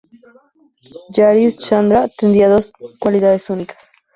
Jari-Shchandra tenía dos cualidades únicas.